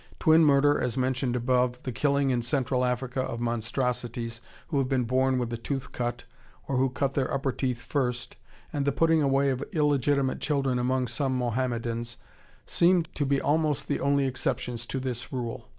Twin murder as mentioned above, the killing in Central Africa of "monstrosities" who have been born with a tooth cut, or who cut their upper teeth first, and the putting away of illegitimate children among some Mohammedans, seem to be almost the only exceptions to this rule.